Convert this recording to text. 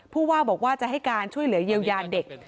ผู้ว่าบอกว่าจะให้การช่วยเหลือเยียวยาเด็ก